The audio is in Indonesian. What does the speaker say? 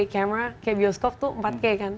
kayak bioskop tuh empat kayak kan